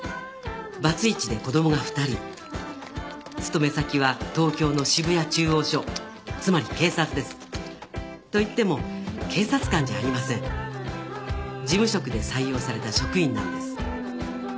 バツイチで子どもが２人勤め先は東京の渋谷中央署つまり警察ですといっても警察官じゃありません事務職で採用された職員なんです